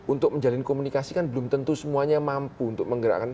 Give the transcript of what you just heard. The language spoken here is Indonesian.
untuk menjalin komunikasi kan belum tentu semuanya mampu untuk menggerakkan